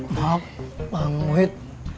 maaf pak muhid